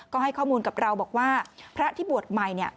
ก็ให้ข้อมูลกับเราบอกว่าพระที่บวชใหม่